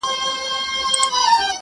ددغه خلگو په كار. كار مه لره.